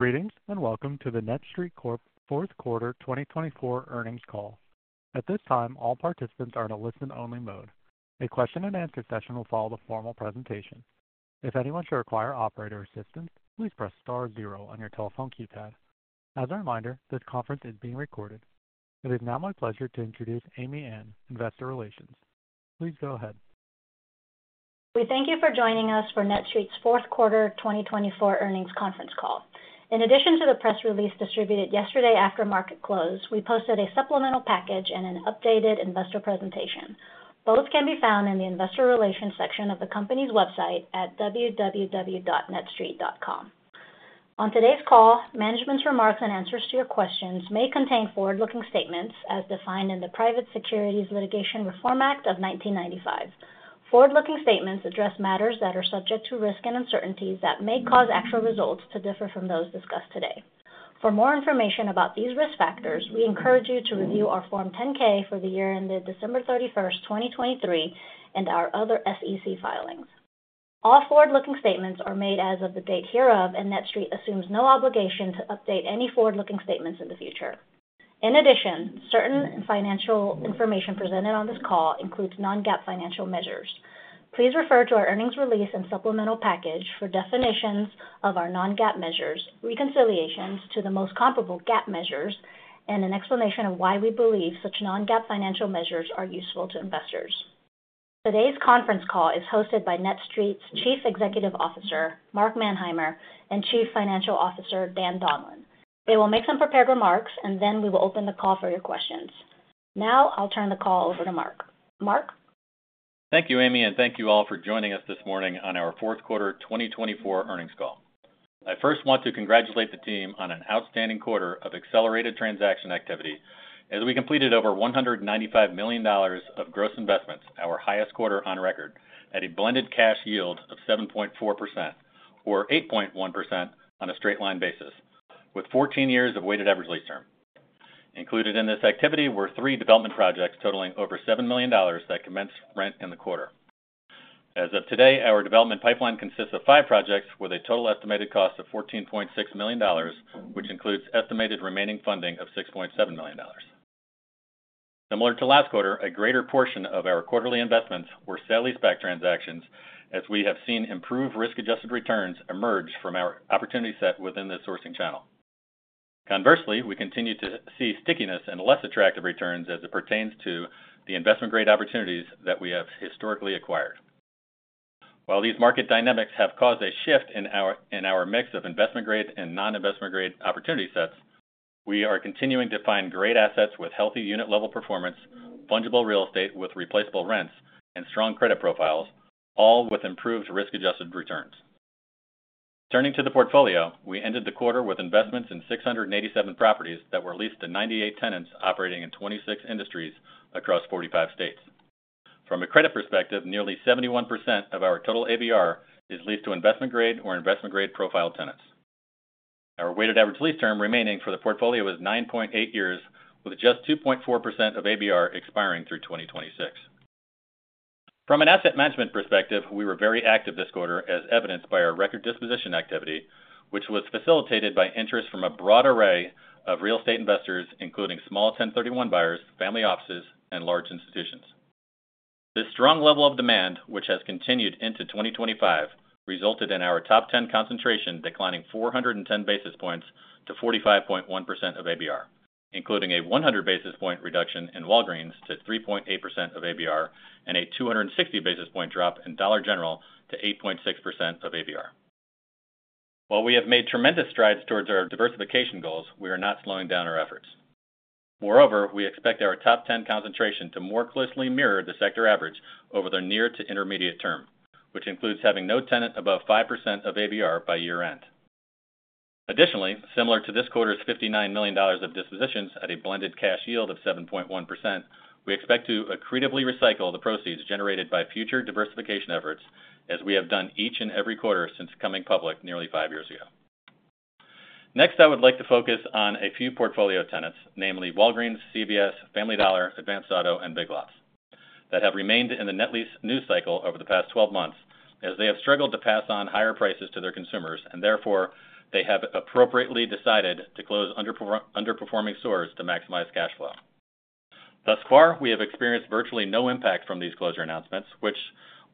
Greetings and welcome to the NETSTREIT Corp Fourth Quarter 2024 Earnings Call. At this time, all participants are in a listen-only mode. A question-and-answer session will follow the formal presentation. If anyone should require operator assistance, please press star zero on your telephone keypad. As a reminder, this conference is being recorded. It is now my pleasure to introduce Amy An, Investor Relations. Please go ahead. We thank you for joining us for NETSTREIT's Fourth Quarter 2024 Earnings Conference Call. In addition to the press release distributed yesterday after market close, we posted a supplemental package and an updated investor presentation. Both can be found in the Investor Relations section of the company's website at www.netstreit.com. On today's call, management's remarks and answers to your questions may contain forward-looking statements as defined in the Private Securities Litigation Reform Act of 1995. Forward-looking statements address matters that are subject to risk and uncertainties that may cause actual results to differ from those discussed today. For more information about these risk factors, we encourage you to review our Form 10-K for the year ended December 31st, 2023, and our other SEC filings. All forward-looking statements are made as of the date hereof, and NETSTREIT assumes no obligation to update any forward-looking statements in the future. In addition, certain financial information presented on this call includes non-GAAP financial measures. Please refer to our earnings release and supplemental package for definitions of our non-GAAP measures, reconciliations to the most comparable GAAP measures, and an explanation of why we believe such non-GAAP financial measures are useful to investors. Today's conference call is hosted by NETSTREIT's Chief Executive Officer, Mark Manheimer, and Chief Financial Officer, Dan Donlan. They will make some prepared remarks, and then we will open the call for your questions. Now, I'll turn the call over to Mark. Mark? Thank you, Amy, and thank you all for joining us this morning on our fourth quarter 2024 earnings call. I first want to congratulate the team on an outstanding quarter of accelerated transaction activity as we completed over $195 million of gross investments, our highest quarter on record, at a blended cash yield of 7.4% or 8.1% on a straight-line basis with 14 years of weighted average lease term. Included in this activity were three development projects totaling over $7 million that commenced rent in the quarter. As of today, our development pipeline consists of five projects with a total estimated cost of $14.6 million, which includes estimated remaining funding of $6.7 million. Similar to last quarter, a greater portion of our quarterly investments were sale-leaseback transactions as we have seen improved risk-adjusted returns emerge from our opportunity set within the sourcing channel. Conversely, we continue to see stickiness and less attractive returns as it pertains to the investment-grade opportunities that we have historically acquired. While these market dynamics have caused a shift in our mix of investment-grade and non-investment-grade opportunity sets, we are continuing to find great assets with healthy unit-level performance, fungible real estate with replaceable rents, and strong credit profiles, all with improved risk-adjusted returns. Turning to the portfolio, we ended the quarter with investments in 687 properties that were leased to 98 tenants operating in 26 industries across 45 states. From a credit perspective, nearly 71% of our total ABR is leased to investment-grade or investment-grade profile tenants. Our weighted average lease term remaining for the portfolio is 9.8 years with just 2.4% of ABR expiring through 2026. From an asset management perspective, we were very active this quarter as evidenced by our record disposition activity, which was facilitated by interest from a broad array of real estate investors, including small 1031 buyers, family offices, and large institutions. This strong level of demand, which has continued into 2025, resulted in our top 10 concentration declining 410 basis points to 45.1% of ABR, including a 100 basis point reduction in Walgreens to 3.8% of ABR and a 260 basis point drop in Dollar General to 8.6% of ABR. While we have made tremendous strides towards our diversification goals, we are not slowing down our efforts. Moreover, we expect our top 10 concentration to more closely mirror the sector average over the near to intermediate term, which includes having no tenant above 5% of ABR by year-end. Additionally, similar to this quarter's $59 million of dispositions at a blended cash yield of 7.1%, we expect to accretively recycle the proceeds generated by future diversification efforts as we have done each and every quarter since coming public nearly five years ago. Next, I would like to focus on a few portfolio tenants, namely Walgreens, CVS, Family Dollar, Advance Auto, and Big Lots, that have remained in the net lease news cycle over the past 12 months as they have struggled to pass on higher prices to their consumers, and therefore, they have appropriately decided to close underperforming stores to maximize cash flow. Thus far, we have experienced virtually no impact from these closure announcements, which,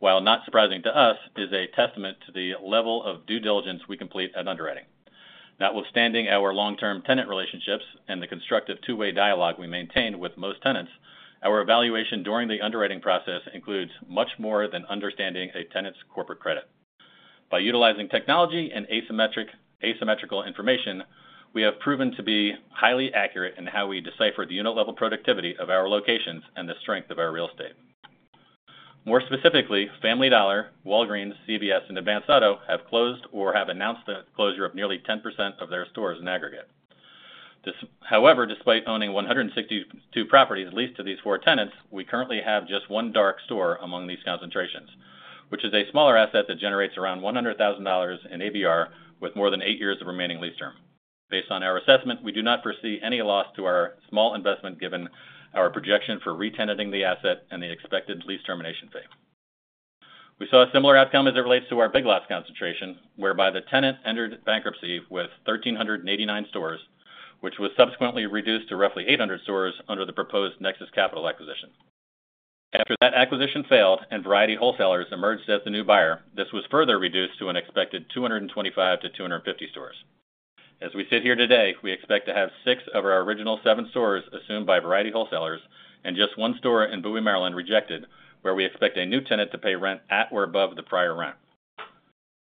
while not surprising to us, is a testament to the level of due diligence we complete at underwriting. Notwithstanding our long-term tenant relationships and the constructive two-way dialogue we maintain with most tenants, our evaluation during the underwriting process includes much more than understanding a tenant's corporate credit. By utilizing technology and asymmetrical information, we have proven to be highly accurate in how we decipher the unit-level productivity of our locations and the strength of our real estate. More specifically, Family Dollar, Walgreens, CVS, and Advance Auto have closed or have announced the closure of nearly 10% of their stores in aggregate. However, despite owning 162 properties leased to these four tenants, we currently have just one dark store among these concentrations, which is a smaller asset that generates around $100,000 in ABR with more than eight years of remaining lease term. Based on our assessment, we do not foresee any loss to our small investment given our projection for re-tenanting the asset and the expected lease termination fee. We saw a similar outcome as it relates to our Big Lots concentration, whereby the tenant entered bankruptcy with 1,389 stores, which was subsequently reduced to roughly 800 stores under the proposed Nexus Capital Management acquisition. After that acquisition failed and Variety Wholesalers emerged as the new buyer, this was further reduced to an expected 225-250 stores. As we sit here today, we expect to have six of our original seven stores assumed by Variety Wholesalers and just one store in Bowie, Maryland rejected, where we expect a new tenant to pay rent at or above the prior rent.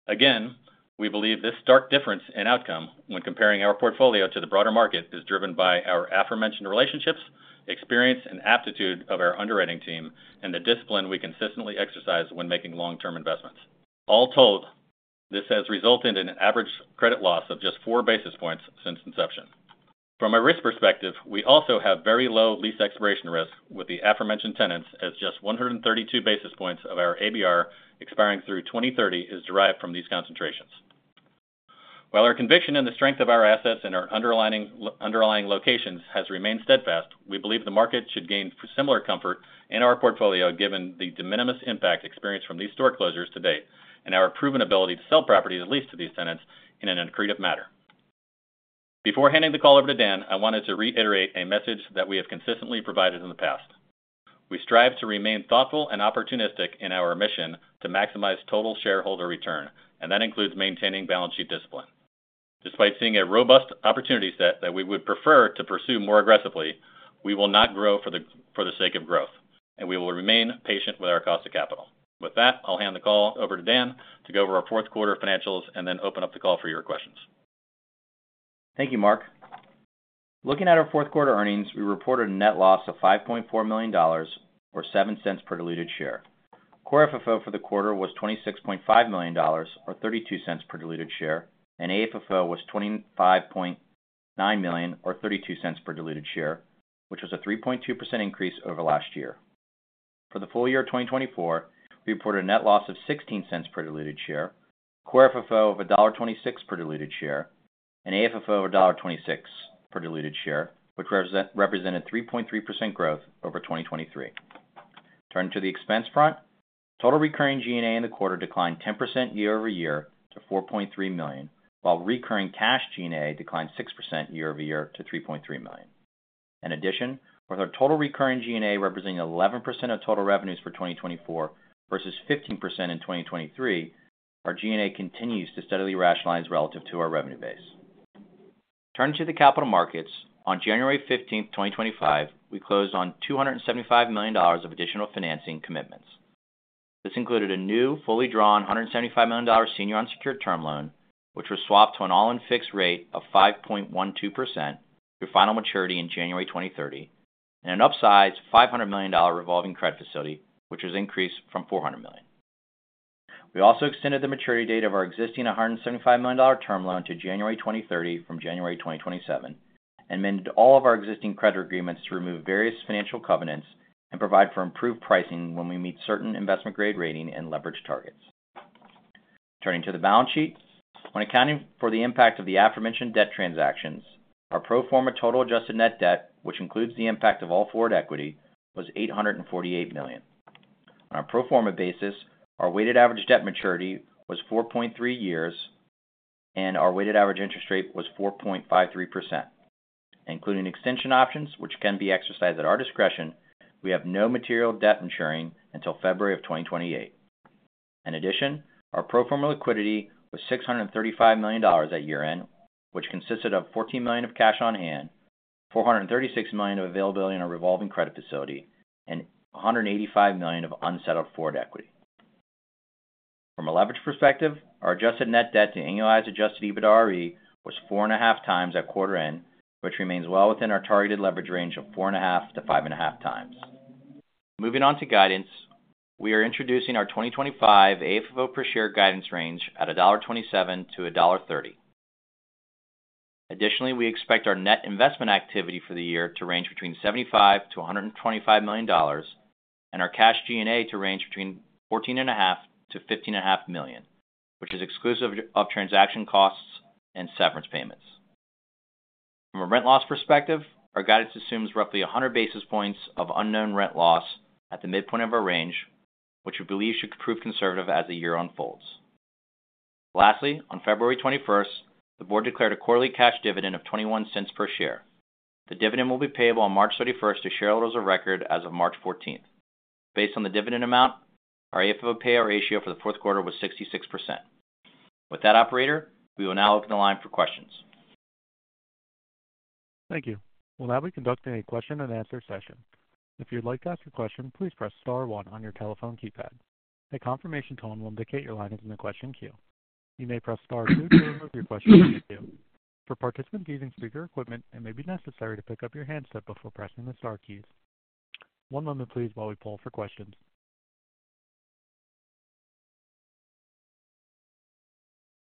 Again, we believe this stark difference in outcome when comparing our portfolio to the broader market is driven by our aforementioned relationships, experience, and aptitude of our underwriting team, and the discipline we consistently exercise when making long-term investments. All told, this has resulted in an average credit loss of just four basis points since inception. From a risk perspective, we also have very low lease expiration risk with the aforementioned tenants as just 132 basis points of our ABR expiring through 2030 is derived from these concentrations. While our conviction in the strength of our assets and our underlying locations has remained steadfast, we believe the market should gain similar comfort in our portfolio given the de minimis impact experienced from these store closures to date and our proven ability to sell properties leased to these tenants in an accretive manner. Before handing the call over to Dan, I wanted to reiterate a message that we have consistently provided in the past. We strive to remain thoughtful and opportunistic in our mission to maximize total shareholder return, and that includes maintaining balance sheet discipline. Despite seeing a robust opportunity set that we would prefer to pursue more aggressively, we will not grow for the sake of growth, and we will remain patient with our cost of capital. With that, I'll hand the call over to Dan to go over our fourth quarter financials and then open up the call for your questions. Thank you, Mark. Looking at our fourth quarter earnings, we reported a net loss of $5.4 million or $0.07 per diluted share. Core FFO for the quarter was $26.5 million or $0.32 per diluted share, and AFFO was $25.9 million or $0.32 per diluted share, which was a 3.2% increase over last year. For the full year of 2024, we reported a net loss of $0.16 per diluted share, Core FFO of $1.26 per diluted share, and AFFO of $1.26 per diluted share, which represented 3.3% growth over 2023. Turning to the expense front, total recurring G&A in the quarter declined 10% year-over-year to $4.3 million, while recurring cash G&A declined 6% year-over-year to $3.3 million. In addition, with our total recurring G&A representing 11% of total revenues for 2024 versus 15% in 2023, our G&A continues to steadily rationalize relative to our revenue base. Turning to the capital markets, on January 15th, 2025, we closed on $275 million of additional financing commitments. This included a new fully drawn $175 million senior unsecured term loan, which was swapped to an all-in fixed rate of 5.12% through final maturity in January 2030, and an upsized $500 million revolving credit facility, which was increased from $400 million. We also extended the maturity date of our existing $175 million term loan to January 2030 from January 2027 and amended all of our existing credit agreements to remove various financial covenants and provide for improved pricing when we meet certain investment-grade rating and leverage targets. Turning to the balance sheet, when accounting for the impact of the aforementioned debt transactions, our pro forma total adjusted net debt, which includes the impact of all forward equity, was $848 million. On a pro forma basis, our weighted average debt maturity was 4.3 years, and our weighted average interest rate was 4.53%. Including extension options, which can be exercised at our discretion, we have no material debt maturing until February of 2028. In addition, our pro forma liquidity was $635 million at year-end, which consisted of $14 million of cash on hand, $436 million of availability in a revolving credit facility, and $185 million of unsettled forward equity. From a leverage perspective, our adjusted net debt to annualized adjusted EBITDA-RE was 4.5× at quarter-end, which remains well within our targeted leverage range of 4.5-5.5×. Moving on to guidance, we are introducing our 2025 AFFO per share guidance range at $1.27-$1.30. Additionally, we expect our net investment activity for the year to range between $75 million-$125 million, and our cash G&A to range between $14.5 million-$15.5 million, which is exclusive of transaction costs and severance payments. From a rent loss perspective, our guidance assumes roughly 100 basis points of unknown rent loss at the midpoint of our range, which we believe should prove conservative as the year unfolds. Lastly, on February 21st, the board declared a quarterly cash dividend of $0.21 per share. The dividend will be payable on March 31st to shareholders of record as of March 14th. Based on the dividend amount, our AFFO payout ratio for the fourth quarter was 66%. With that, operator, we will now open the line for questions. Thank you. We'll now be conducting a question-and-answer session. If you'd like to ask a question, please press star one on your telephone keypad. A confirmation tone will indicate your line is in the question queue. You may press star two to remove your question from the queue. For participants using speaker equipment, it may be necessary to pick up your handset before pressing the star keys. One moment, please, while we pull for questions.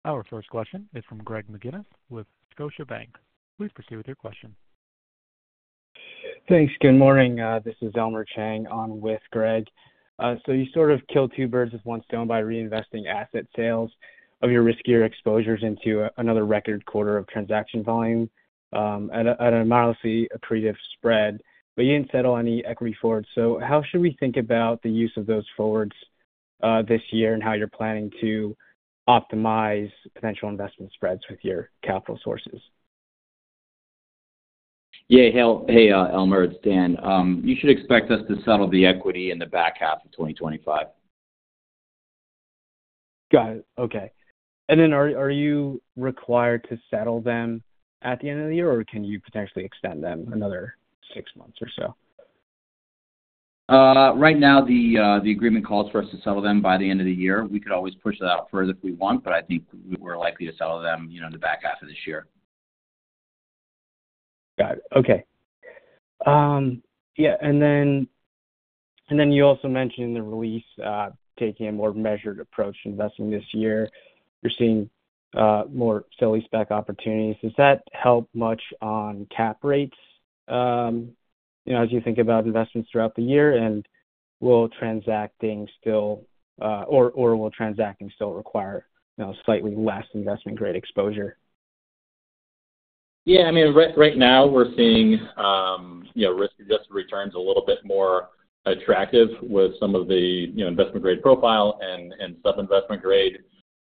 Our first question is from Greg McGinnis with Scotiabank. Please proceed with your question. Thanks. Good morning. This is Elmer Chang on with Greg. So you sort of killed two birds with one stone by reinvesting asset sales of your riskier exposures into another record quarter of transaction volume at an anomalously accretive spread, but you didn't settle any equity forwards. So how should we think about the use of those forwards this year and how you're planning to optimize potential investment spreads with your capital sources? Yeah. Hey, Elmer. It's Dan. You should expect us to settle the equity in the back half of 2025. Got it. Okay. And then are you required to settle them at the end of the year, or can you potentially extend them another six months or so? Right now, the agreement calls for us to settle them by the end of the year. We could always push that out further if we want, but I think we're likely to settle them in the back half of this year. Got it. Okay. Yeah. And then you also mentioned the REIT taking a more measured approach to investing this year. You're seeing more sale-leaseback opportunities. Does that help much on cap rates as you think about investments throughout the year? And will transacting still require slightly less investment-grade exposure? Yeah. I mean, right now, we're seeing risk-adjusted returns a little bit more attractive with some of the investment-grade profile and sub-investment-grade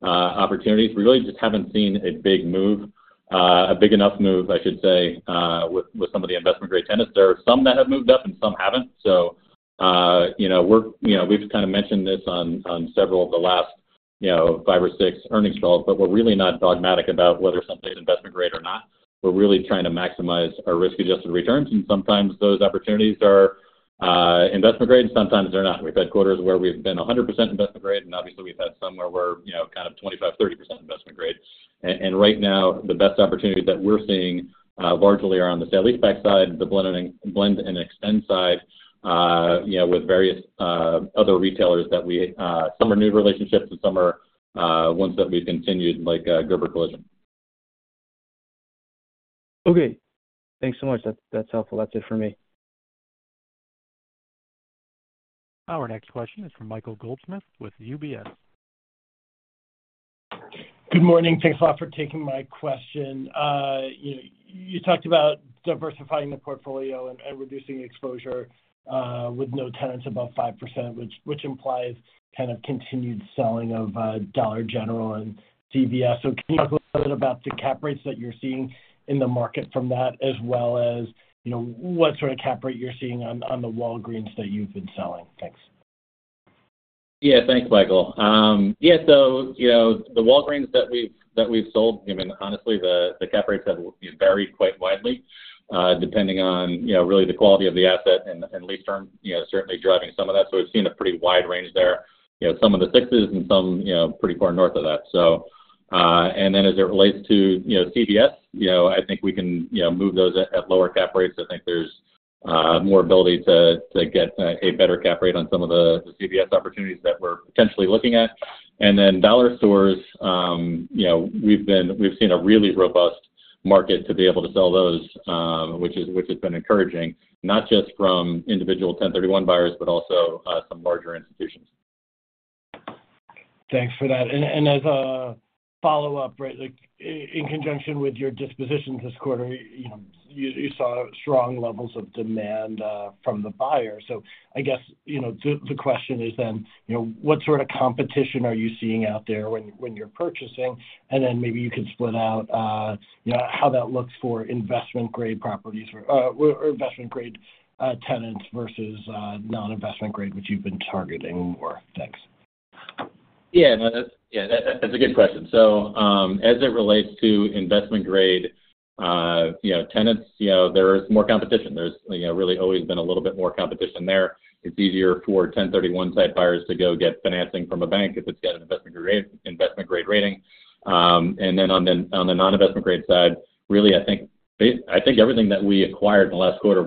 opportunities. We really just haven't seen a big move, a big enough move, I should say, with some of the investment-grade tenants. There are some that have moved up and some haven't. So we've kind of mentioned this on several of the last five or six earnings calls, but we're really not dogmatic about whether something is investment-grade or not. We're really trying to maximize our risk-adjusted returns, and sometimes those opportunities are investment-grade, and sometimes they're not. We've had quarters where we've been 100% investment-grade, and obviously, we've had some where we're kind of 25%-30% investment-grade. Right now, the best opportunities that we're seeing largely are on the sale-leaseback side, the blend and extend side with various other retailers. Some are new relationships and some are ones that we've continued like Gerber Collision. Okay. Thanks so much. That's helpful. That's it for me. Our next question is from Michael Goldsmith with UBS. Good morning. Thanks a lot for taking my question. You talked about diversifying the portfolio and reducing exposure with no tenants above 5%, which implies kind of continued selling of Dollar General and CVS. So can you talk a little bit about the cap rates that you're seeing in the market from that, as well as what sort of cap rate you're seeing on the Walgreens that you've been selling? Thanks. Yeah. Thanks, Michael. Yeah. So the Walgreens that we've sold, I mean, honestly, the cap rates have varied quite widely depending on really the quality of the asset and lease term certainly driving some of that. So we've seen a pretty wide range there, some of the sixes and some pretty far north of that. And then as it relates to CVS, I think we can move those at lower cap rates. I think there's more ability to get a better cap rate on some of the CVS opportunities that we're potentially looking at. And then dollar stores, we've seen a really robust market to be able to sell those, which has been encouraging, not just from individual 1031 buyers, but also some larger institutions. Thanks for that. And as a follow-up, in conjunction with your dispositions this quarter, you saw strong levels of demand from the buyers. So I guess the question is then, what sort of competition are you seeing out there when you're purchasing? And then maybe you could split out how that looks for investment-grade properties or investment-grade tenants versus non-investment grade, which you've been targeting more. Thanks. Yeah. Yeah. That's a good question. So as it relates to investment-grade tenants, there is more competition. There's really always been a little bit more competition there. It's easier for 1031-type buyers to go get financing from a bank if it's got an investment-grade rating. And then on the non-investment-grade side, really, I think everything that we acquired in the last quarter,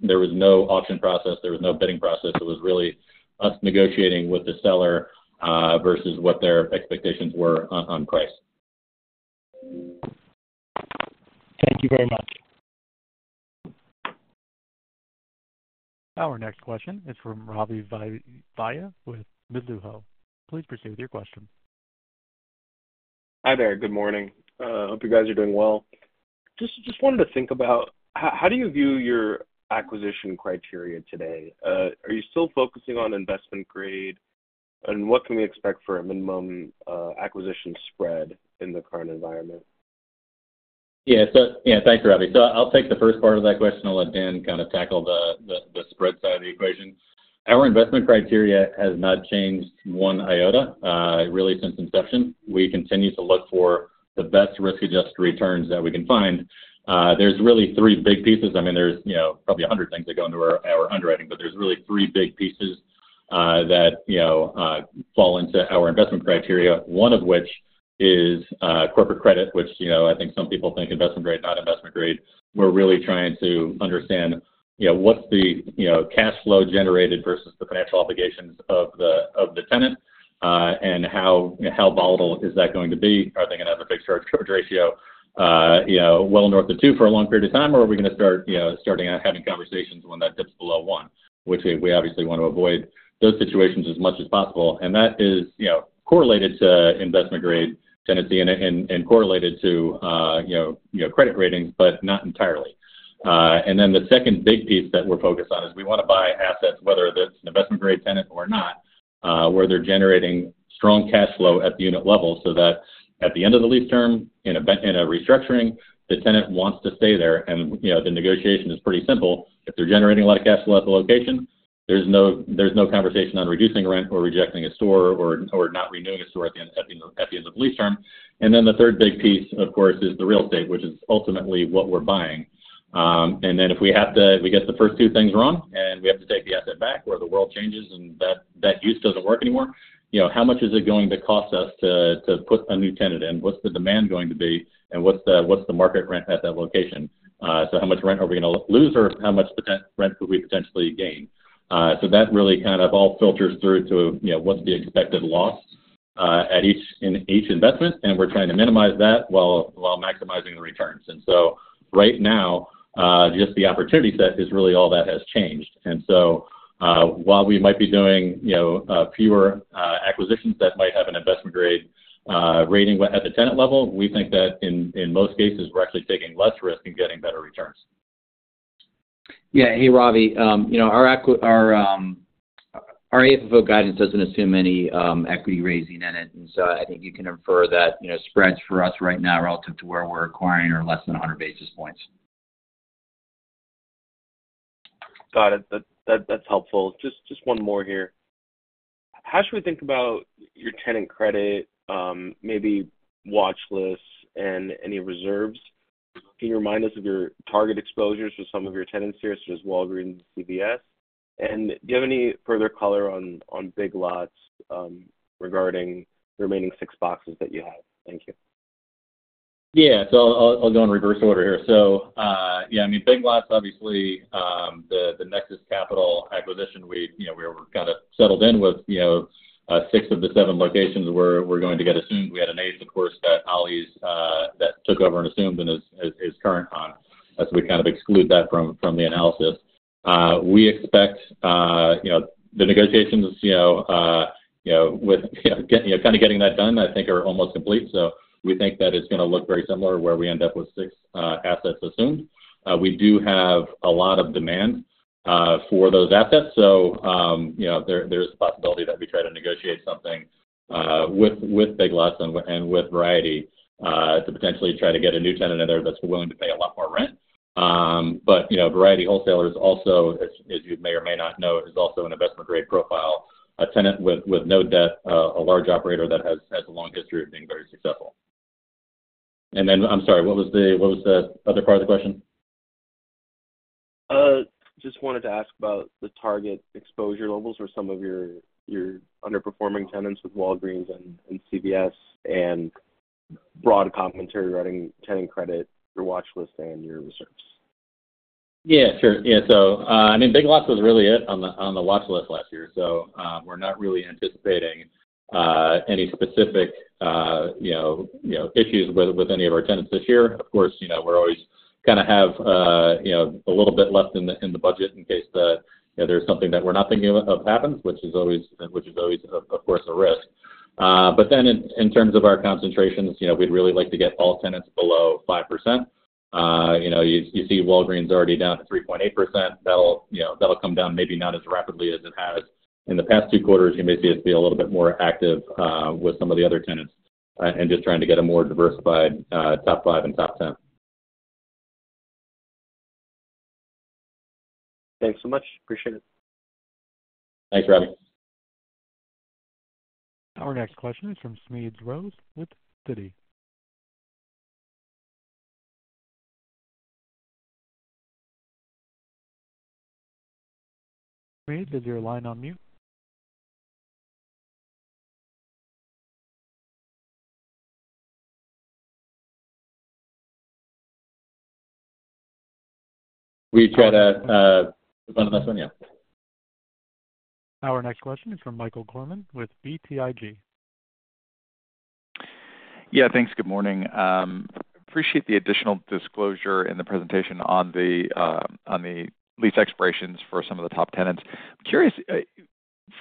there was no auction process. There was no bidding process. It was really us negotiating with the seller versus what their expectations were on price. Thank you very much. Our next question is from Ravi Vaidya with Mizuho. Please proceed with your question. Hi there. Good morning. I hope you guys are doing well. Just wanted to think about how do you view your acquisition criteria today? Are you still focusing on investment-grade? And what can we expect for a minimum acquisition spread in the current environment? Yeah. Yeah. Thanks, Ravi. So I'll take the first part of that question. I'll let Dan kind of tackle the spread side of the equation. Our investment criteria has not changed one iota really since inception. We continue to look for the best risk-adjusted returns that we can find. There's really three big pieces. I mean, there's probably 100 things that go into our underwriting, but there's really three big pieces that fall into our investment criteria, one of which is corporate credit, which I think some people think investment-grade, not investment-grade. We're really trying to understand what's the cash flow generated versus the financial obligations of the tenant and how volatile is that going to be? Are they going to have a fixed charge ratio well north of two for a long period of time, or are we going to start having conversations when that dips below one? Which we obviously want to avoid those situations as much as possible. And that is correlated to investment-grade tenancy and correlated to credit ratings, but not entirely. And then the second big piece that we're focused on is we want to buy assets, whether that's an investment-grade tenant or not, where they're generating strong cash flow at the unit level so that at the end of the lease term in a restructuring, the tenant wants to stay there. And the negotiation is pretty simple. If they're generating a lot of cash flow at the location, there's no conversation on reducing rent or rejecting a store or not renewing a store at the end of the lease term. And then the third big piece, of course, is the real estate, which is ultimately what we're buying. And then if we get the first two things wrong and we have to take the asset back or the world changes and that use doesn't work anymore, how much is it going to cost us to put a new tenant in? What's the demand going to be? And what's the market rent at that location? So how much rent are we going to lose or how much rent could we potentially gain? So that really kind of all filters through to what's the expected loss in each investment, and we're trying to minimize that while maximizing the returns. And so right now, just the opportunity set is really all that has changed. And so while we might be doing fewer acquisitions that might have an investment-grade rating at the tenant level, we think that in most cases, we're actually taking less risk and getting better returns. Yeah. Hey, Ravi. Our AFFO guidance doesn't assume any equity raising in it, and so I think you can infer that spreads for us right now relative to where we're acquiring are less than 100 basis points. Got it. That's helpful. Just one more here. How should we think about your tenant credit, maybe watch lists, and any reserves? Can you remind us of your target exposures for some of your tenants here, such as Walgreens and CVS? And do you have any further color on Big Lots regarding the remaining six boxes that you have? Thank you. Yeah. So I'll go in reverse order here. So yeah, I mean, Big Lots, obviously, the Nexus Capital acquisition, we were kind of settled in with six of the seven locations where we're going to get assumed. We had an eighth, of course, that Ollie's that took over and assumed and is current on. So we kind of exclude that from the analysis. We expect the negotiations with kind of getting that done, I think, are almost complete. So we think that it's going to look very similar where we end up with six assets assumed. We do have a lot of demand for those assets. So there is a possibility that we try to negotiate something with Big Lots and with Variety to potentially try to get a new tenant in there that's willing to pay a lot more rent. But Variety Wholesalers also, as you may or may not know, is also an investment-grade profile tenant with no debt, a large operator that has a long history of being very successful. And then, I'm sorry, what was the other part of the question? Just wanted to ask about the target exposure levels for some of your underperforming tenants with Walgreens and CVS and broad commentary regarding tenant credit, your watch list, and your reserves? Yeah. Sure. Yeah. So I mean, Big Lots was really it on the watch list last year. So we're not really anticipating any specific issues with any of our tenants this year. Of course, we always kind of have a little bit left in the budget in case there's something that we're not thinking of happens, which is always, of course, a risk. But then in terms of our concentrations, we'd really like to get all tenants below 5%. You see Walgreens already down to 3.8%. That'll come down maybe not as rapidly as it has in the past two quarters. You may see us be a little bit more active with some of the other tenants and just trying to get a more diversified top five and top ten. Thanks so much. Appreciate it. Thanks, Robby. Our next question is from Smedes Rose with Citi. Smedes, is your line on mute? We try to respond to this one. Yeah. Our next question is from Michael Gorman with BTIG. Yeah. Thanks. Good morning. Appreciate the additional disclosure in the presentation on the lease expirations for some of the top tenants. I'm curious,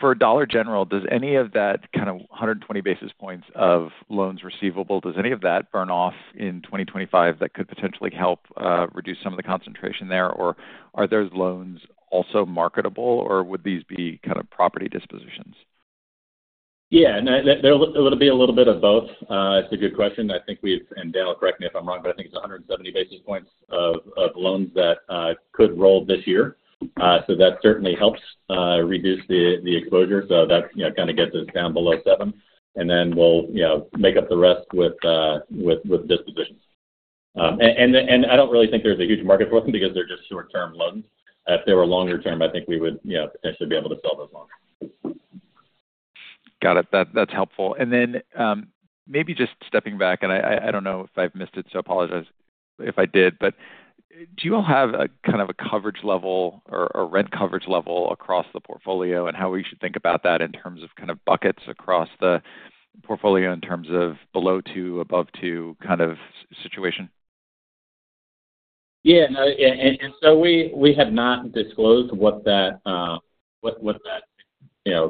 for Dollar General, does any of that kind of 120 basis points of loans receivable, does any of that burn off in 2025 that could potentially help reduce some of the concentration there? Or are those loans also marketable, or would these be kind of property dispositions? Yeah. It'll be a little bit of both. It's a good question. I think we've, and Daniel, correct me if I'm wrong, but I think it's 170 basis points of loans that could roll this year. So that certainly helps reduce the exposure. So that kind of gets us down below seven. And then we'll make up the rest with dispositions. And I don't really think there's a huge market for them because they're just short-term loans. If they were longer term, I think we would potentially be able to sell those loans. Got it. That's helpful. And then maybe just stepping back, and I don't know if I've missed it, so I apologize if I did, but do you all have kind of a coverage level or rent coverage level across the portfolio and how we should think about that in terms of kind of buckets across the portfolio in terms of below two, above two kind of situation? Yeah. And so we have not disclosed what that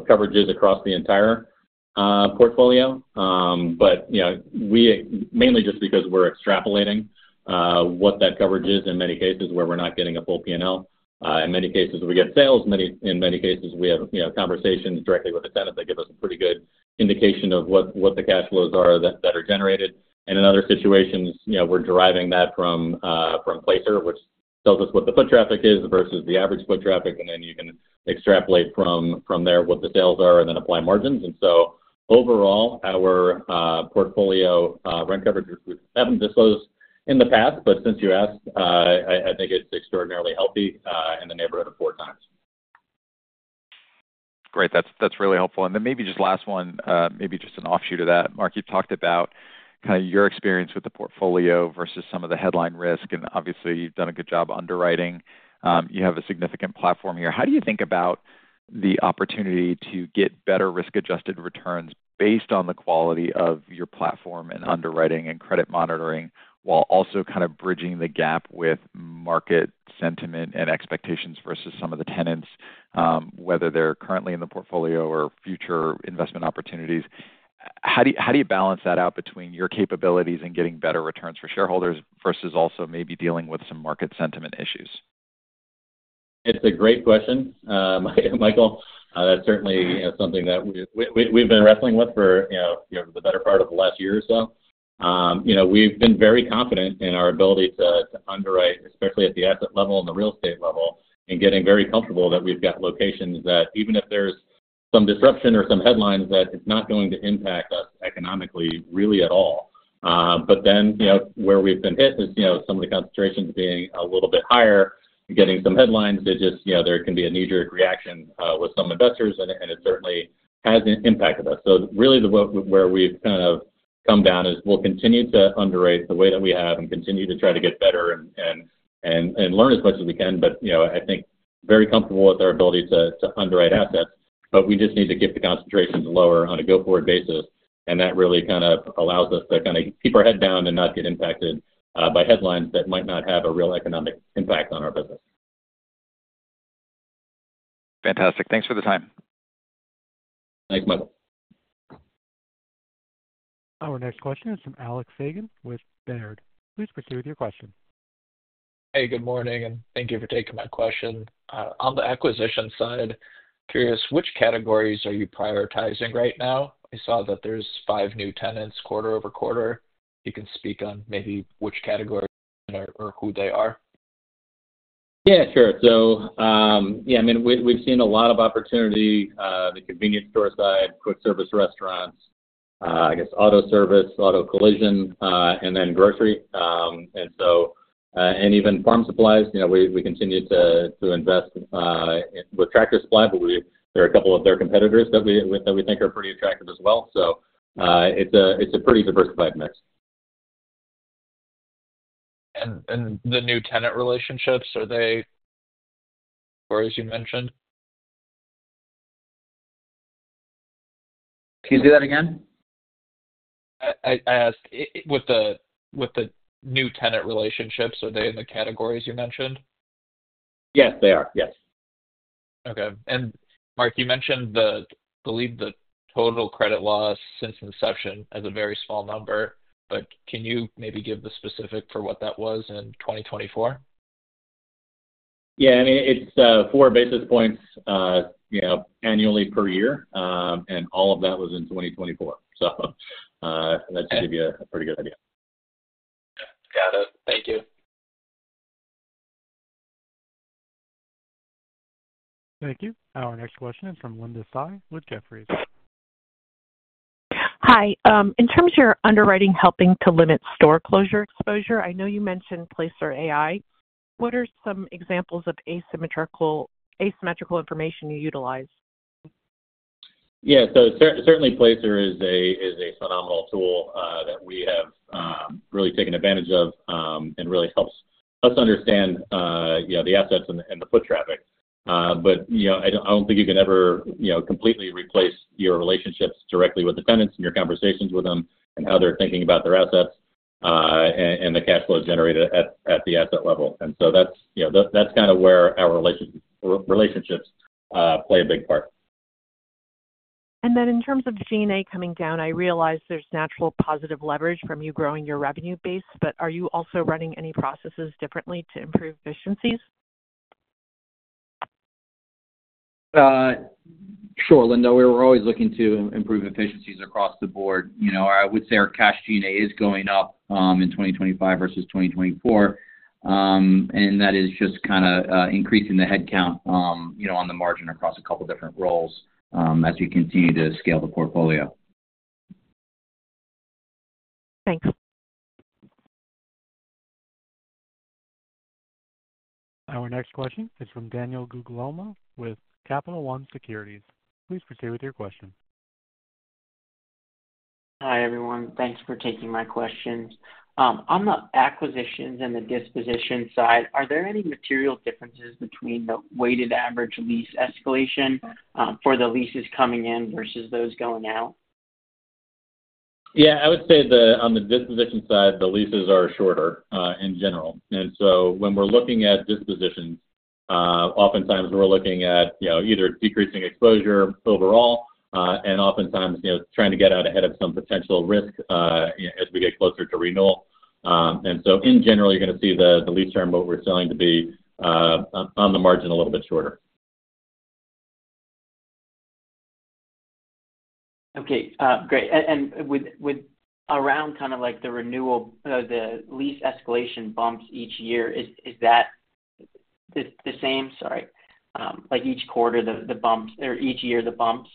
coverage is across the entire portfolio, but mainly just because we're extrapolating what that coverage is in many cases where we're not getting a full P&L. In many cases, we get sales. In many cases, we have conversations directly with the tenants. They give us a pretty good indication of what the cash flows are that are generated. And in other situations, we're deriving that from Placer, which tells us what the foot traffic is versus the average foot traffic. And then you can extrapolate from there what the sales are and then apply margins. And so overall, our portfolio rent coverage we haven't disclosed in the past, but since you asked, I think it's extraordinarily healthy in the neighborhood of four times. Great. That's really helpful. And then maybe just last one, maybe just an offshoot of that, Mark, you've talked about kind of your experience with the portfolio versus some of the headline risk. And obviously, you've done a good job underwriting. You have a significant platform here. How do you think about the opportunity to get better risk-adjusted returns based on the quality of your platform and underwriting and credit monitoring while also kind of bridging the gap with market sentiment and expectations versus some of the tenants, whether they're currently in the portfolio or future investment opportunities? How do you balance that out between your capabilities and getting better returns for shareholders versus also maybe dealing with some market sentiment issues? It's a great question, Michael. That's certainly something that we've been wrestling with for the better part of the last year or so. We've been very confident in our ability to underwrite, especially at the asset level and the real estate level, and getting very comfortable that we've got locations that even if there's some disruption or some headlines, that it's not going to impact us economically really at all. But then where we've been hit is some of the concentrations being a little bit higher and getting some headlines, there can be a knee-jerk reaction with some investors, and it certainly has impacted us. So really, where we've kind of come down is we'll continue to underwrite the way that we have and continue to try to get better and learn as much as we can. But I think we're very comfortable with our ability to underwrite assets, but we just need to keep the concentrations lower on a go-forward basis. And that really kind of allows us to kind of keep our head down and not get impacted by headlines that might not have a real economic impact on our business. Fantastic. Thanks for the time. Thanks, Michael. Our next question is from Alex Fagan with Baird. Please proceed with your question. Hey, good morning, and thank you for taking my question. On the acquisition side, curious which categories are you prioritizing right now? I saw that there's five new tenants quarter over quarter. You can speak on maybe which category or who they are. Yeah. Sure. So yeah, I mean, we've seen a lot of opportunity: the convenience store side, quick service restaurants, I guess auto service, auto collision, and then grocery. And even farm supplies, we continue to invest with Tractor Supply, but there are a couple of their competitors that we think are pretty attractive as well. So it's a pretty diversified mix. And the new tenant relationships, are they as far as you mentioned? Can you say that again? I asked, with the new tenant relationships, are they in the categories you mentioned? Yes, they are. Yes. Okay, and Mark, you mentioned the total credit loss since inception as a very small number, but can you maybe give the specific for what that was in 2024? Yeah. I mean, it's four basis points annually per year, and all of that was in 2024. So that should give you a pretty good idea. Got it. Thank you. Thank you. Our next question is from Linda Tsai with Jefferies. Hi. In terms of your underwriting helping to limit store closure exposure, I know you mentioned Placer.ai. What are some examples of asymmetrical information you utilize? Yeah. So certainly, Placer is a phenomenal tool that we have really taken advantage of and really helps us understand the assets and the foot traffic. But I don't think you can ever completely replace your relationships directly with the tenants and your conversations with them and how they're thinking about their assets and the cash flows generated at the asset level. And so that's kind of where our relationships play a big part. And then in terms of G&A coming down, I realize there's natural positive leverage from you growing your revenue base, but are you also running any processes differently to improve efficiencies? Sure, Linda. We were always looking to improve efficiencies across the board. I would say our cash G&A is going up in 2025 versus 2024, and that is just kind of increasing the headcount on the margin across a couple of different roles as we continue to scale the portfolio. Thanks. Our next question is from Daniel Guglielmo with Capital One Securities. Please proceed with your question. Hi everyone. Thanks for taking my questions. On the acquisitions and the disposition side, are there any material differences between the weighted average lease escalation for the leases coming in versus those going out? Yeah. I would say on the disposition side, the leases are shorter in general. And so when we're looking at dispositions, oftentimes we're looking at either decreasing exposure overall and oftentimes trying to get out ahead of some potential risk as we get closer to renewal. And so in general, you're going to see the lease term what we're selling to be on the margin a little bit shorter. Okay. Great. And around kind of the renewal, the lease escalation bumps each year, is that the same? Sorry. Each quarter, the bumps or each year, the bumps?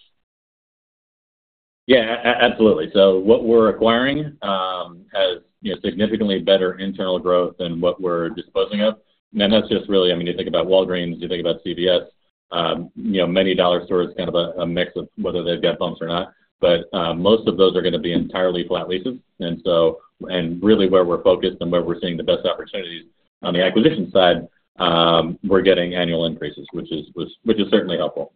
Yeah. Absolutely. So what we're acquiring has significantly better internal growth than what we're disposing of. And that's just really I mean, you think about Walgreens, you think about CVS. Many dollar stores is kind of a mix of whether they've got bumps or not. But most of those are going to be entirely flat leases. And really where we're focused and where we're seeing the best opportunities on the acquisition side, we're getting annual increases, which is certainly helpful.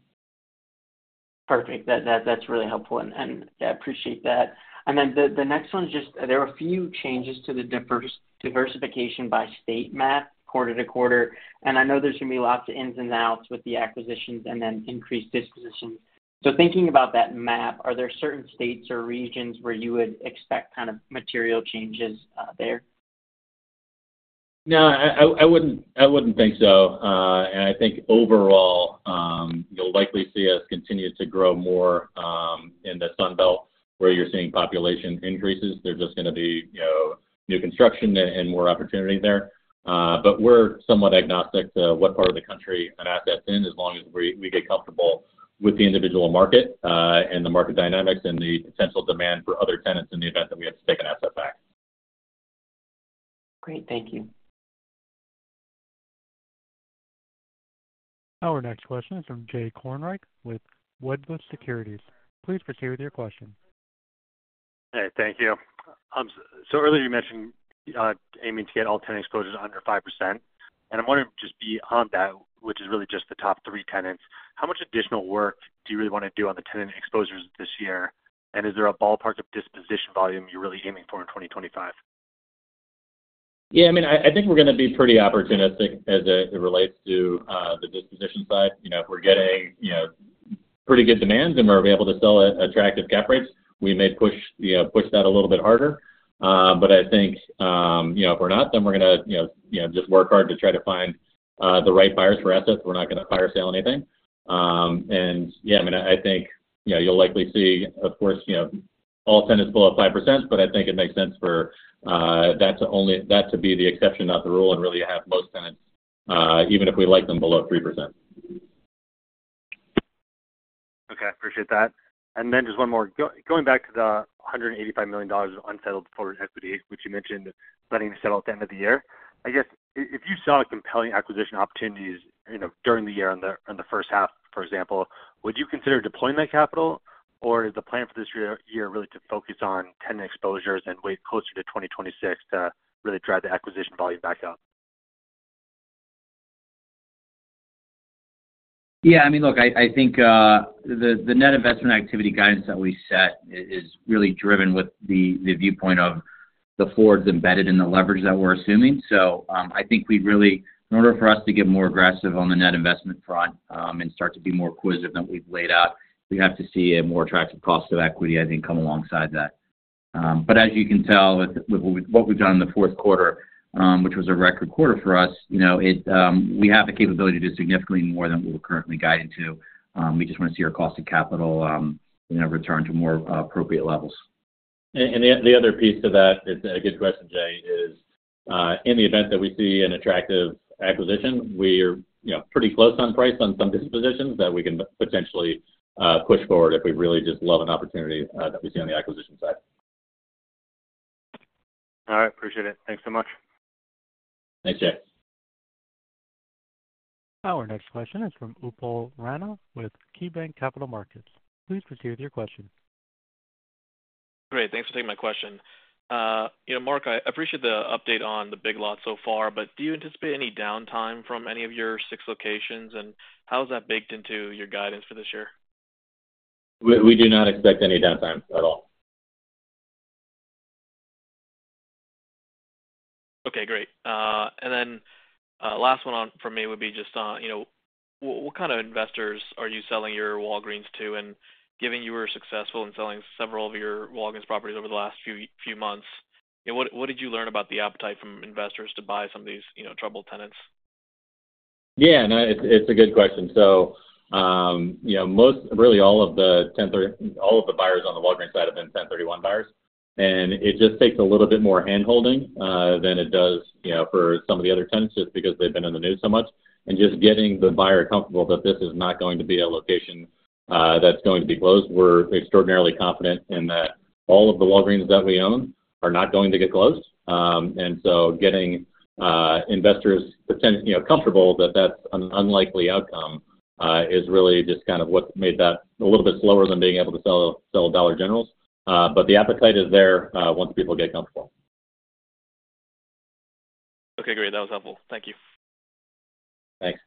Perfect. That's really helpful, and I appreciate that. And then the next one is just there are a few changes to the diversification by state map quarter to quarter. And I know there's going to be lots of ins and outs with the acquisitions and then increased dispositions. So thinking about that map, are there certain states or regions where you would expect kind of material changes there? No, I wouldn't think so. And I think overall, you'll likely see us continue to grow more in the Sunbelt where you're seeing population increases. There's just going to be new construction and more opportunity there. But we're somewhat agnostic to what part of the country an asset's in as long as we get comfortable with the individual market and the market dynamics and the potential demand for other tenants in the event that we have to take an asset back. Great. Thank you. Our next question is from Jay Kornreich with Wedbush Securities. Please proceed with your question. Hey, thank you. So earlier you mentioned aiming to get all tenant exposures under 5%. And I'm wondering just beyond that, which is really just the top three tenants, how much additional work do you really want to do on the tenant exposures this year? And is there a ballpark of disposition volume you're really aiming for in 2025? Yeah. I mean, I think we're going to be pretty opportunistic as it relates to the disposition side. If we're getting pretty good demands and we're able to sell at attractive cap rates, we may push that a little bit harder. But I think if we're not, then we're going to just work hard to try to find the right buyers for assets. We're not going to fire sale anything. And yeah, I mean, I think you'll likely see, of course, all tenants below 5%, but I think it makes sense for that to be the exception, not the rule, and really have most tenants, even if we like them, below 3%. Okay. Appreciate that. And then just one more. Going back to the $185 million unsettled forward equity, which you mentioned letting you settle at the end of the year, I guess if you saw compelling acquisition opportunities during the year in the first half, for example, would you consider deploying that capital, or is the plan for this year really to focus on tenant exposures and wait closer to 2026 to really drive the acquisition volume back up? Yeah. I mean, look, I think the net investment activity guidance that we set is really driven with the viewpoint of the forwards embedded in the leverage that we're assuming. So I think we really, in order for us to get more aggressive on the net investment front and start to be more acquisitive than we've laid out, we have to see a more attractive cost of equity, I think, come alongside that. But as you can tell with what we've done in the fourth quarter, which was a record quarter for us, we have the capability to do significantly more than we were currently guided to. We just want to see our cost of capital return to more appropriate levels. And the other piece to that is a good question, Jay, is in the event that we see an attractive acquisition. We are pretty close on price on some dispositions that we can potentially push forward if we really just love an opportunity that we see on the acquisition side. All right. Appreciate it. Thanks so much. Thanks, Jay. Our next question is from Upal Rana with KeyBanc Capital Markets. Please proceed with your question. Great. Thanks for taking my question. Mark, I appreciate the update on the Big Lots so far, but do you anticipate any downtime from any of your six locations, and how is that baked into your guidance for this year? We do not expect any downtime at all. Okay. Great. And then last one for me would be just what kind of investors are you selling your Walgreens to? And given you were successful in selling several of your Walgreens properties over the last few months, what did you learn about the appetite from investors to buy some of these troubled tenants? Yeah. No, it's a good question. So really all of the buyers on the Walgreens side have been 1031 buyers. And it just takes a little bit more handholding than it does for some of the other tenants just because they've been in the news so much. And just getting the buyer comfortable that this is not going to be a location that's going to be closed, we're extraordinarily confident in that all of the Walgreens that we own are not going to get closed. And so getting investors comfortable that that's an unlikely outcome is really just kind of what made that a little bit slower than being able to sell Dollar Generals. But the appetite is there once people get comfortable. Okay. Great. That was helpful. Thank you. Thanks.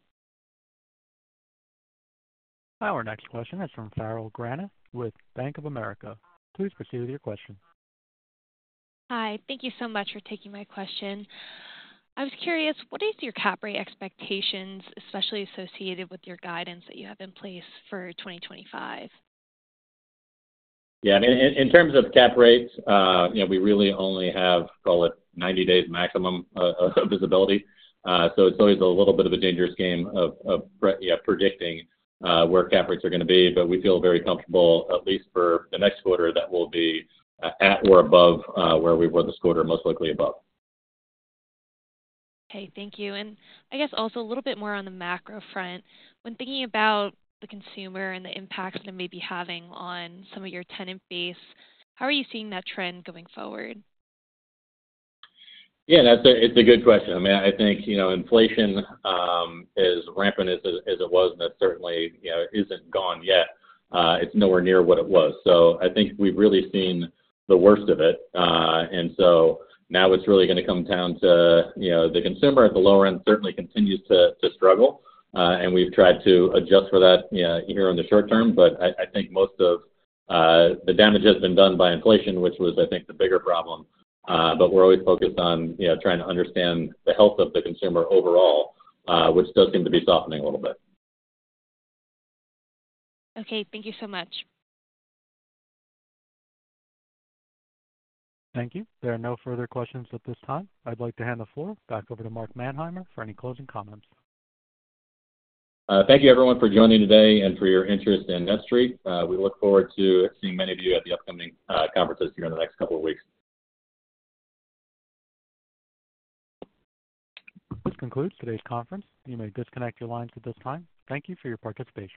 Our next question is from Farrell Granath with Bank of America. Please proceed with your question. Hi. Thank you so much for taking my question. I was curious, what is your cap rate expectations, especially associated with your guidance that you have in place for 2025? Yeah. In terms of cap rates, we really only have, call it, 90 days maximum of visibility. So it's always a little bit of a dangerous game of predicting where cap rates are going to be, but we feel very comfortable, at least for the next quarter, that we'll be at or above where we were this quarter, most likely above. Okay. Thank you. And I guess also a little bit more on the macro front, when thinking about the consumer and the impacts that it may be having on some of your tenant base, how are you seeing that trend going forward? Yeah. It's a good question. I mean, I think inflation is rampant as it was, and that certainly isn't gone yet. It's nowhere near what it was, so I think we've really seen the worst of it, and so now it's really going to come down to the consumer at the lower end, certainly continues to struggle. And we've tried to adjust for that here in the short term, but I think most of the damage has been done by inflation, which was, I think, the bigger problem, but we're always focused on trying to understand the health of the consumer overall, which does seem to be softening a little bit. Okay. Thank you so much. Thank you. There are no further questions at this time. I'd like to hand the floor back over to Mark Manheimer for any closing comments. Thank you, everyone, for joining today and for your interest in NETSTREIT. We look forward to seeing many of you at the upcoming conferences here in the next couple of weeks. This concludes today's conference. You may disconnect your lines at this time. Thank you for your participation.